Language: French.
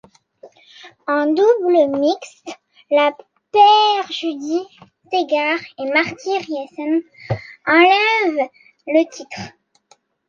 En double mixte, la paire Judy Tegart et Marty Riessen enlève le titre.